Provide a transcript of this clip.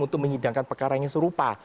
untuk menyidangkan pekaranya serupa